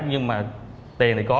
nhưng mà tiền thì có